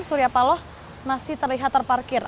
surya paloh masih terlihat terparkir